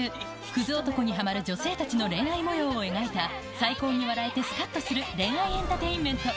くず男にはまる女性たちの恋愛もようを描いた、最高に笑えてすかっとする、恋愛エンターテインメント。